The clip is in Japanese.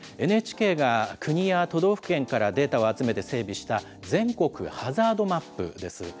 ＮＨＫが国や都道府県からデータを集めて整備した、全国ハザードマップです。